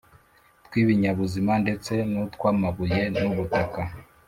tw’ibinyabuzima ndetse n’utw’amabuye n’ubutaka.